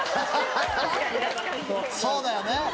・そうだよね。